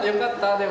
でも。